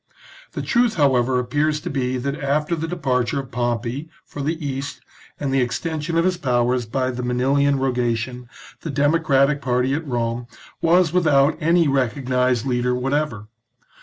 The truth, however, appears to be that after the de parture of Pompey for the East, and the extension of his powers by the Manilian rogation, the democratic party at Rome was without any recognised leader whatever.